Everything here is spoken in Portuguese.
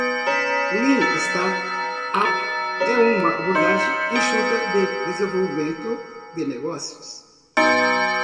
Lean Startup é uma abordagem enxuta de desenvolvimento de negócios.